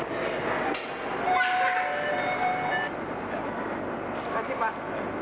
terima kasih pak